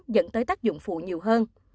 dẫn tới tác dụng phụ nhiều hơn